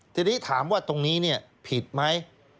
ทีนี้ถามว่าตรงนี้ผิดไหม